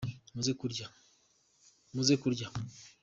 muze kurya